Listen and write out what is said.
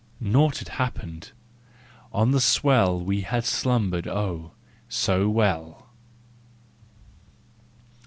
Naught had happened ! On the swell We had slumbered, oh, so well!